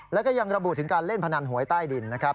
แล้วก็ยังระบุถึงการเล่นพนันหวยใต้ดินนะครับ